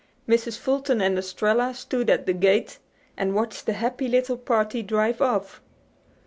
Mrs. Fulton and Estralla stood at the gate and watched the happy little party drive off.